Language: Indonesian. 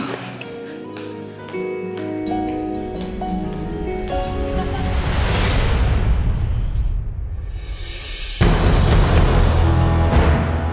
pak bangun kamu